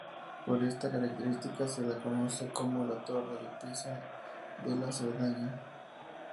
Por esta característica se la conoce como la "torre de Pisa de la Cerdaña".